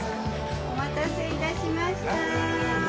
お待たせ致しました。